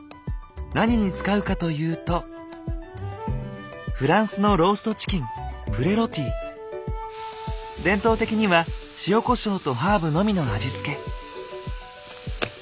何に使うかというとフランスのローストチキン伝統的には塩コショウとハーブのみの味付け。